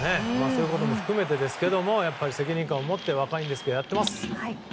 そういうことも含めてですけど責任感を持って若いんですけど、やってます。